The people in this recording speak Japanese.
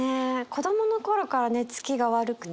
子どもの頃から寝つきが悪くて。